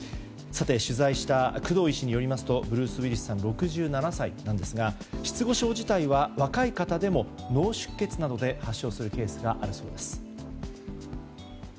取材した工藤医師によりますとブルース・ウィリスさん６７歳なんですが失語症自体は、若い方でも脳出血などで発症するケースがあるそうです。